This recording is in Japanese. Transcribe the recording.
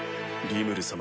リムル様。